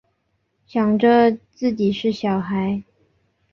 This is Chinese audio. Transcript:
想着自己是小孩